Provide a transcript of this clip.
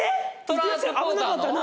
流星危なかったな。